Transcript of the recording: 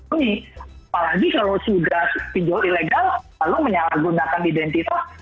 apalagi kalau sudah pindol ilegal kalau menggunakan identitas